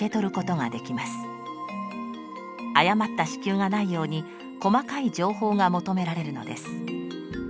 誤った支給がないように細かい情報が求められるのです。